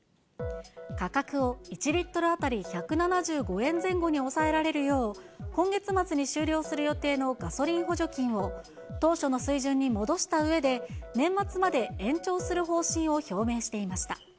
価格を１リットル当たり１７５円前後に抑えられるよう、今月末に終了する予定のガソリン補助金を、当初の水準に戻したうえで、年末まで延長する方針を表明していました。